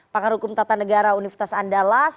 pakar hukum tata negara universitas andalas